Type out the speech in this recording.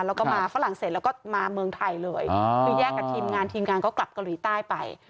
แล้วก็มาฝรั่งเศสแล้วก็มาเมืองไทยเลยคือแยกกับทีมงานทีมงานก็กลับเกาหลีใต้ไป